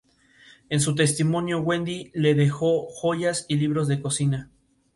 En su testamento Wendy le dejó joyas y libros de cocina.